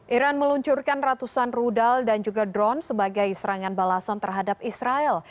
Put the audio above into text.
iran meluncurkan ratusan rudal dan juga drone sebagai serangan balasan terhadap israel